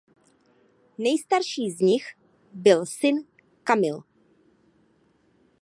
Nejstarší z nich byl syn Camille.